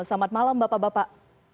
selamat malam bapak bapak